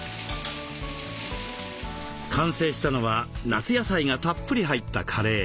完成したのは夏野菜がたっぷり入ったカレー。